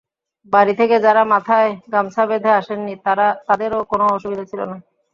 বাড়ি থেকে যাঁরা মাথায় গামছা বেঁধে আসেননি, তাঁদেরও কোনো অসুবিধা ছিল না।